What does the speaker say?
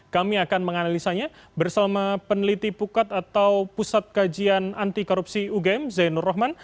kami akan menganalisanya bersama peneliti pukat atau pusat kajian anti korupsi ugm zainur rohman